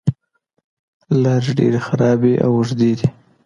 لارې ډېرې خرابې او اوږدې دي.